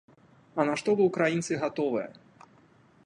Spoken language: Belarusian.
А на што вы, украінцы, гатовыя?